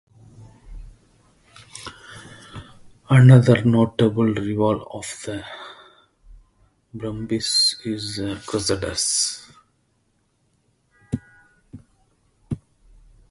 Another notable rival of the Brumbies is the Crusaders.